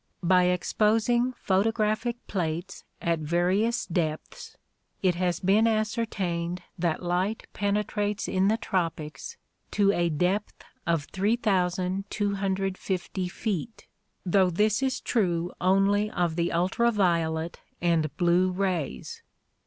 By exposing photographic plates at various depths it has been ascertained that light penetrates in the tropics to a depth of 3250 feet, though this is true only of the ultraviolet and blue rays.